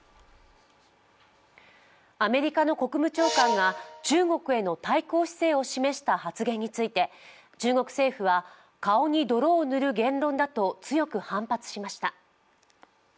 アメリカの国務長官が中国への対抗姿勢を示した発言について中国政府は顔に泥を塗る言論だと強く反発しました。